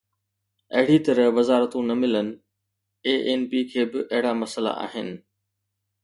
اهڙي طرح وزارتون نه ملن، اي اين پي کي به اهڙا مسئلا آهن.